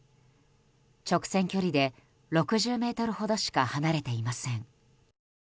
直線距離で６０ｍほどしか離れていません。